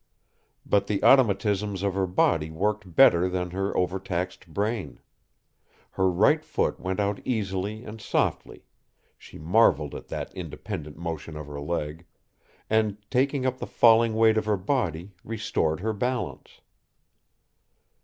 But the automatisms of her body worked better than her overtaxed brain. Her right foot went out easily and softly she marvelled at that independent motion of her leg and, taking up the falling weight of her body, restored her balance.